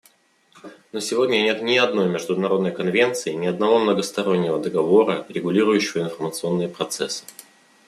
Но сегодня нет ни одной международной конвенции, ни одного многостороннего договора, регулирующего информационные процессы.